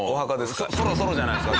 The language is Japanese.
そろそろじゃないですか？